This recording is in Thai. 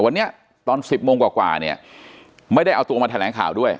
วันนี้ตอน๑๐โมงกว่าเนี่ยไม่ได้เอาตัวมาแถลงข่าวด้วย